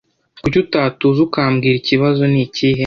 Kuki utatuza ukambwira ikibazo nikihe?